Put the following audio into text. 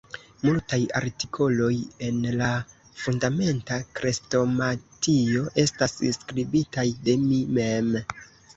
Multaj artikoloj en la Fundamenta Krestomatio estas skribitaj de mi mem.